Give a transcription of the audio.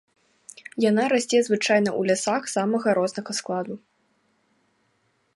Яна расце звычайна ў лясах самага рознага складу.